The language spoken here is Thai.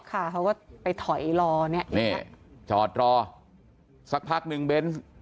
เขาก็ไปถอยรอนี่จอดรอสักพักนึงเบน